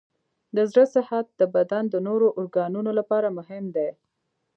د زړه صحت د بدن د نورو ارګانونو لپاره مهم دی.